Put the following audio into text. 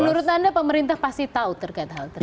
menurut anda pemerintah pasti tahu terkait hal tersebut